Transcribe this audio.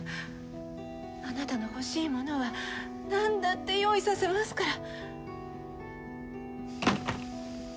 あなたの欲しいものはなんだって用意させますから。